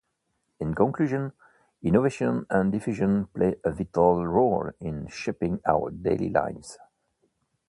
In conclusion, innovation and diffusion play a vital role in shaping our daily lives.